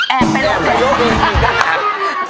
แอบไปลบ